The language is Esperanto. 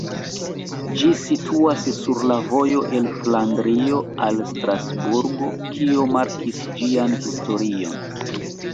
Ĝi situas sur la vojo el Flandrio al Strasburgo, kio markis ĝian historion.